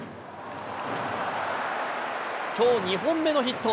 きょう２本目のヒット。